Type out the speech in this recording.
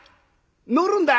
乗るんだよ